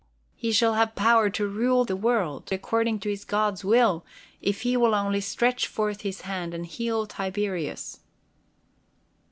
He shall have power to rule the world according to his God's will, if he will only stretch forth his hand and heal Tiberius!"